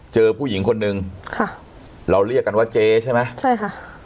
เจอผู้หญิงคนนึงค่ะเราเรียกกันว่าเจ๊ใช่ไหมใช่ค่ะ